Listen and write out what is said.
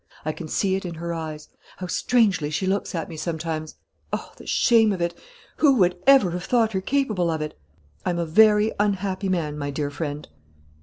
I can see it in her eyes. How strangely she looks at me sometimes! "Oh, the shame of it! Who would ever have thought her capable of it? "I am a very unhappy man, my dear friend."